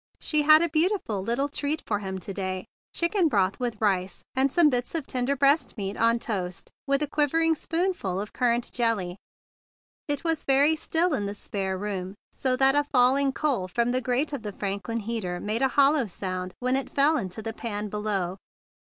She had a beautiful little treat for him to¬ day, chicken broth with rice, and some little bits of tender breast meat on toast, with a quivering spoonful of currant jelly. It was very still in the spare room, so still that a falling coal from the grate of the Franklin heater made a hollow sound when it fell into the pan below.